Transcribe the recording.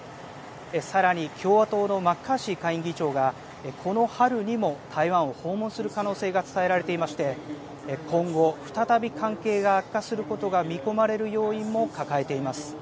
さらに共和党のマッカーシー下院議長がこの春にも台湾を訪問する可能性が伝えられていまして今後、再び関係が悪化することが見込まれる要因も抱えています。